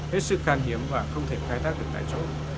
hết sức khan hiếm và không thể khai tác được tại chỗ